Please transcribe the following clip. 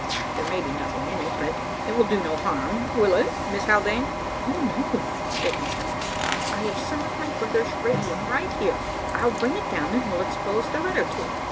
There may be nothing in it, but it will do no harm, will it, Miss Haldane?" "Oh, no," said Miss Haldane. "I have some of my brother's radium right here. I'll bring it down and we'll expose the letter to it."